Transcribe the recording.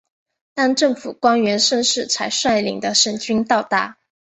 当政府官员盛世才率领的省军到达。